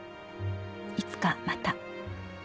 いつかまた。